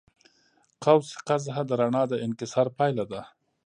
قوس قزح د رڼا د انکسار پایله ده.